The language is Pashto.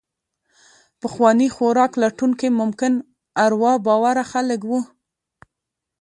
پخواني خوراک لټونکي ممکن اروا باوره خلک وو.